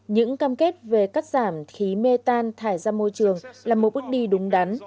những cam kết về cắt giảm khí mê tan thải ra môi trường là một bước đi đúng đắn